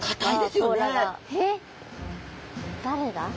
誰だ？